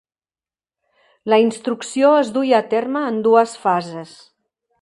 La instrucció es duia a terme en dues fases.